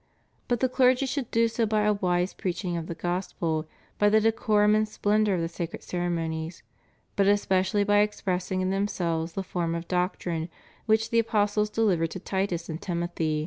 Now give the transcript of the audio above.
But the clergy should do so by a wise preaching of the Gospel, by the decorum and splendor of the sacred ceremonies, but especially by expressing in themselves the form of doctrine which the apostles de livered to Titus and Timothy.